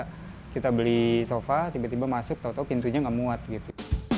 jadi kita bisa bikin sofa tiba tiba masuk tau tau pintunya enggak muat gitu